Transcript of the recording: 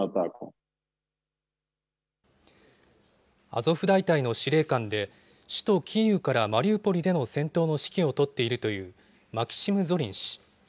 アゾフ大隊の司令官で、首都キーウからマリウポリでの戦闘の指揮を執っているというマキシム・ゾリン氏。